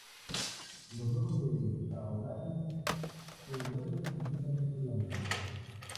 Los ojos de Shaoran se vuelven completamente blancos.